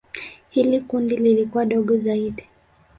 Hili kundi lilikuwa dogo zaidi.